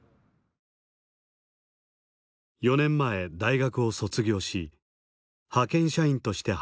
４年前大学を卒業し派遣社員として働き始めた。